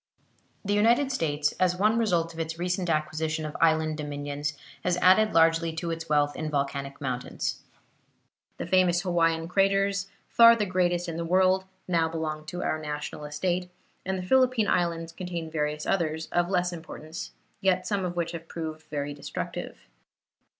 The United States, as one result of its recent acquisition of island dominions, has added largely to its wealth in volcanic mountains. The famous Hawaiian craters, far the greatest in the world, now belong to our national estate, and the Philippine Islands contain various others, of less importance, yet some of which have proved very destructive.